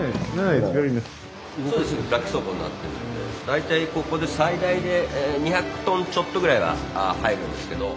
大体ここで最大で２００トンちょっとぐらいは入るんですけど。